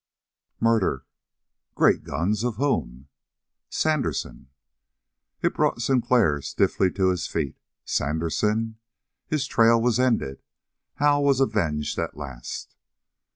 "Murder!" "Great guns! Of whom?" "Sandersen." It brought Sinclair stiffly to his feet. Sandersen! His trail was ended; Hal was avenged at last!